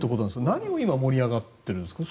何を今、盛り上がっているんですか？